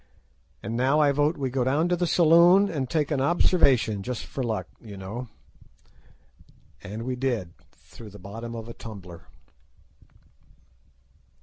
And now I vote we go down to the saloon and take an observation just for luck, you know." And we did—through the bottom of a tumbler.